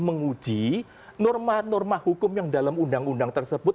menguji norma norma hukum yang dalam undang undang tersebut